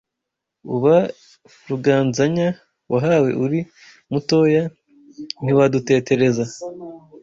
Uba Ruganzanya, Wahawe uri Mutoya ntiwadutetereza